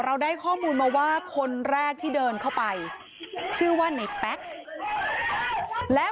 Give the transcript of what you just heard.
เราได้ข้อมูลมาว่าคนแรกที่เดินเข้าไปชื่อว่าในแป๊กแล้ว